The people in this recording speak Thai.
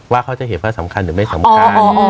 ว่าเขาจะเห็นว่าสำคัญหรือไม่สำคัญ